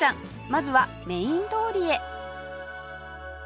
まずはメイン通りへ